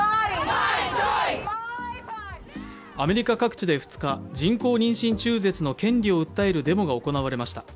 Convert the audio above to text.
アメリカ各地２日、人工妊娠中絶の権利を訴えるデモが行われました。